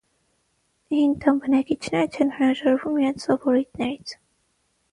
Հին տան բնակիչները չեն հրաժարվում իրենց սովորույթներից։